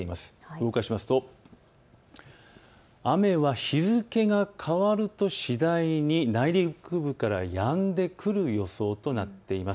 動かしますと雨は日付が変わると次第に内陸部からやんでくる予想となっています。